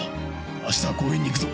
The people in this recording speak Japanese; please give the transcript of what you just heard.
あしたは公園に行くぞ。